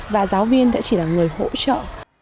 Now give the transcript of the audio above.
và giáo viên sẽ chỉ là người hỗ trợ